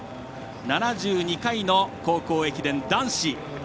７２回の高校駅伝男子。